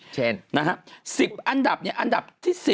เช่นนะฮะ๑๐อันดับนี้อันดับที่๑๐